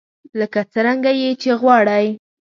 لکه څرنګه يې چې غواړئ.